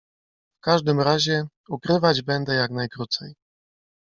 "W każdym razie ukrywać będę jak najkrócej."